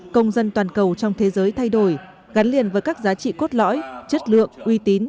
công dân toàn cầu trong thế giới thay đổi gắn liền với các giá trị cốt lõi chất lượng uy tín